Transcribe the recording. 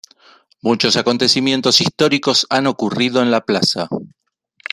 Muchos acontecimientos históricos han ocurrido en la plaza.